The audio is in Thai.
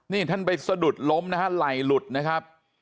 นี่ท่านไปสะดุดล้มนะฮะไหล่หลุดนะครับ